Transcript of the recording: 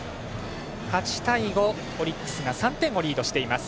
８対５、オリックスが３点をリードしています。